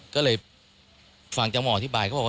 ก็เลยฟังจากหมออธิบายเขาบอกว่า